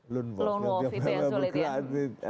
lone wolf itu yang sulit ya